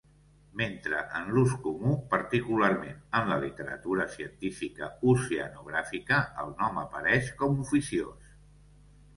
Mentre en l'ús comú, particularment en la literatura científica oceanogràfica, el nom apareix com oficiós.